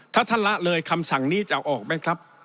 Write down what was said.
ถ้าท่านละเลยคำสั่งนี้จะออกไหมครับ